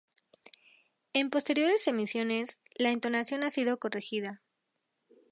En posteriores emisiones, la entonación ha sido corregida.